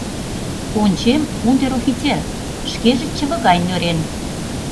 Ончем: унтер-офицер, шкеже чыве гае нӧрен.